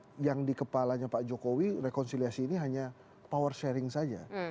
karena yang di kepalanya pak jokowi rekonsiliasi ini hanya power sharing saja